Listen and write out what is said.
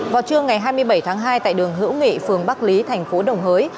vào trưa ngày hai mươi bảy tháng hai tại đường hữu nghị phường bắc lý thành phố đồng hới